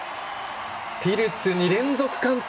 ピルツ、２連続完登。